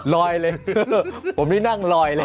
ลอยเลยผมนี่นั่งลอยเลย